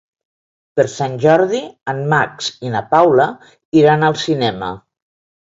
Per Sant Jordi en Max i na Paula iran al cinema.